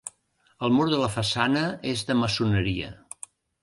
El mur de la façana és de maçoneria.